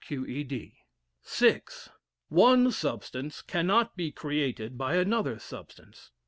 Q. E. D. VI. One substance cannot be created by another substance.